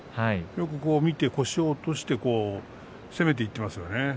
よく見て腰を落として攻めていっていますよね。